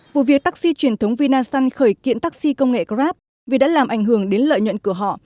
vụ việc taxi truyền thống vinasun khởi kiện taxi công nghệ grab vì đã làm ảnh hưởng đến lợi nhuận của họ